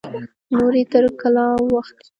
نورې تر کلا واوښتې.